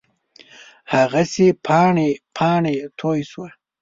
هغه چې پاڼې، پاڼې توی شوه